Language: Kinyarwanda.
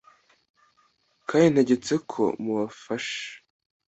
Kandi ntegetse ko mubafasha